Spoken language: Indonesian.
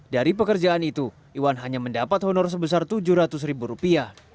dari pekerjaan itu iwan hanya mendapat honor sebesar tujuh ratus ribu rupiah